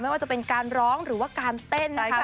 ว่าจะเป็นการร้องหรือว่าการเต้นนะคะ